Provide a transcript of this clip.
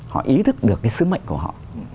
họ ý thức được cái sứ mệnh của họ